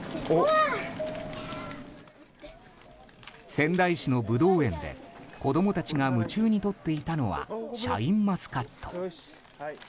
仙台市のブドウ園で子供たちが夢中にとっていたのはシャインマスカット。